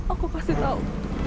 aku kasih tahu